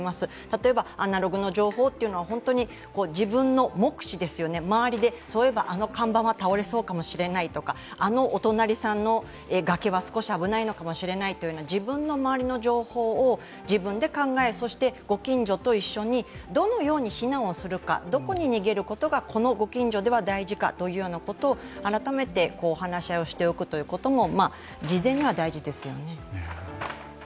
例えばアナログの情報というのは自分の目視ですよね、周りで、そういえばあの看板は倒れるかもしれないとか、あのお隣さんの崖は少し危ないかもしれないという、自分の周りの情報を自分で考えそしてご近所と一緒に、どのように避難をするか、どこに逃げることが、このご近所では大事かということを改めて話し合いをしておくことも事前には大事ですよね。